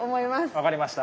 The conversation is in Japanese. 分かりました。